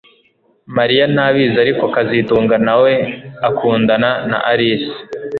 Mariya ntabizi ariko kazitunga nawe akundana na Alice